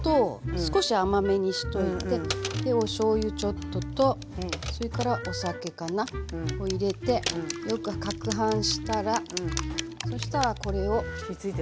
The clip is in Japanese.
少し甘めにしといてでおしょうゆちょっととそれからお酒かな。を入れてよくかくはんしたらそしたらこれをついてる？